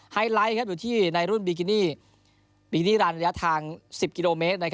ไฮไลท์อยู่ที่ในรุ่นบิกินี่บีนิรันดิระยะทาง๑๐กิโลเมตร